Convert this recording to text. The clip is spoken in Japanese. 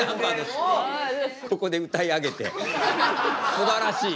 すばらしい！